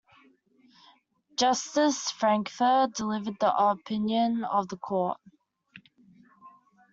Justice Frankfurter delivered the opinion of the Court.